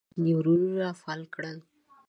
مچیو په خپل مغز کې ډیر نیورونونه فعال کړل.